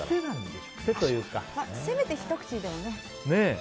せめて、ひと口でもね。